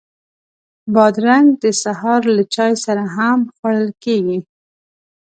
بادرنګ د سهار له چای سره هم خوړل کېږي.